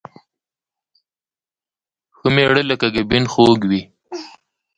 ښه مېړه لکه ګبين خوږ وي